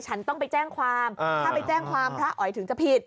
ฉันต้องไปแจ้งความถ้าไปแจ้งความพระอ๋อยถึงจะผิด